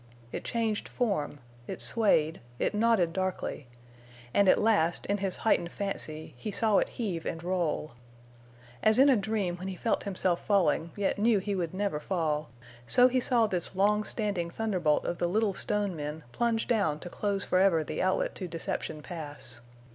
It changed form; it swayed; it nodded darkly; and at last, in his heightened fancy, he saw it heave and roll. As in a dream when he felt himself falling yet knew he would never fall, so he saw this long standing thunderbolt of the little stone men plunge down to close forever the outlet to Deception Pass.